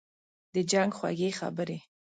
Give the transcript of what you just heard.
« د جنګ خوږې خبري